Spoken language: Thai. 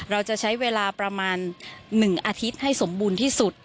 เราจะใช้เวลาประมาณ๑อาทิตย์ให้สมบูรณ์ที่สุด